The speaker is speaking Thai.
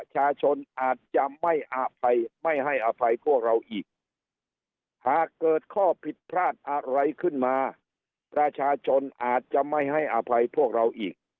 หากเกิดข้อผิดพลาดอะไรขึ้นมาประชาชนอาจจะไม่ให้อภัยพวกเราอีก